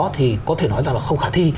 thì có thể nói là không khả thi